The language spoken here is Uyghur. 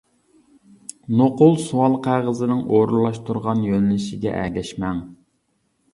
نوقۇل سوئال قەغىزىنىڭ ئورۇنلاشتۇرغان يۆنىلىشىگە ئەگەشمەڭ.